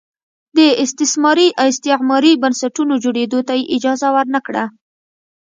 د استثماري استعماري بنسټونو جوړېدو ته یې اجازه ور نه کړه.